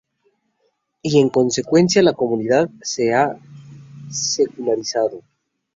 Y en consecuencia la comunidad se ha secularizado.